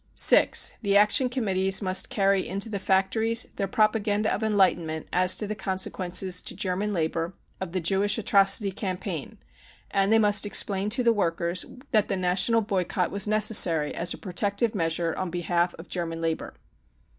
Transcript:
(6) The Action Committees must carry into the factories their propaganda of enlightenment as to the consequences to German labour of the Jewish atrocity campaign, and they must explain to the workers that the national boycott was necessary as a protective measure on behalf of German labour.